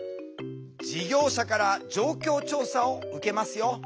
事業者から状況調査を受けますよ。